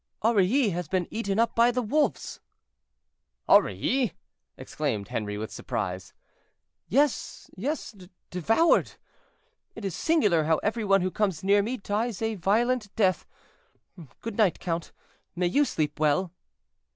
"Aurilly has been eaten up by the wolves—" "Aurilly!" exclaimed Henri, with surprise. "Yes, yes—devoured! It is singular how every one who comes near me dies a violent death. Good night, count; may you sleep well!"